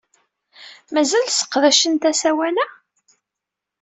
Mazal sseqdacent asawal-a?